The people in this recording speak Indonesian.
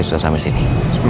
sudah sampai sini